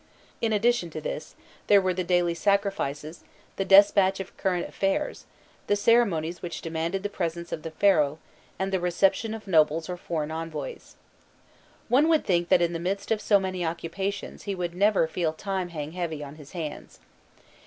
In addition to this, there were the daily sacrifices, the despatch of current affairs, the ceremonies which demanded the presence of the Pharaoh, and the reception of nobles or foreign envoys. One would think that in the midst of so many occupations he would never feel time hang heavy on his hands.